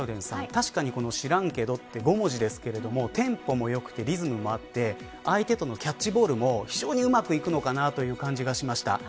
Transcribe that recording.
確かに、知らんけど、は５文字ですけどテンポも良くてリズムを持って相手とのキャッチボールも非常にうまくいくのかなという感じがしました。